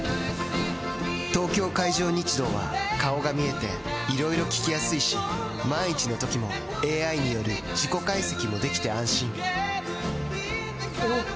東京海上日動は顔が見えていろいろ聞きやすいし万一のときもＡＩによる事故解析もできて安心おぉ！